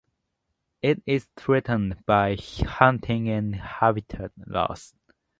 It is threatened by hunting and habitat loss.